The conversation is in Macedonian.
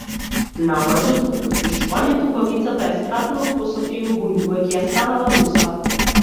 Набрзо по потпишувањето, убавицата ја скратила косата и обојувајќи ја станала руса.